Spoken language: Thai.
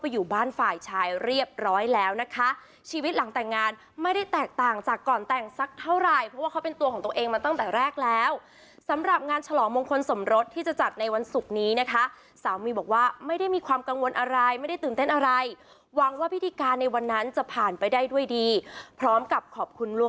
อยู่บ้านฝ่ายชายเรียบร้อยแล้วนะคะชีวิตหลังแต่งงานไม่ได้แตกต่างจากก่อนแต่งสักเท่าไหร่เพราะว่าเขาเป็นตัวของตัวเองมาตั้งแต่แรกแล้วสำหรับงานฉลองมงคลสมรสที่จะจัดในวันศุกร์นี้นะคะสาวมิวบอกว่าไม่ได้มีความกังวลอะไรไม่ได้ตื่นเต้นอะไรหวังว่าพิธีการในวันนั้นจะผ่านไปได้ด้วยดีพร้อมกับขอบคุณล้ว